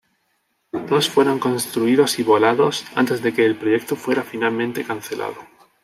Dos fueron construidos y volados antes de que el proyecto fuera finalmente cancelado.